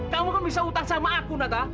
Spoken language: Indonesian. kamu kan bisa utang sama aku nata